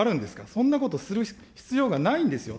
そんなことする必要がないんですよ。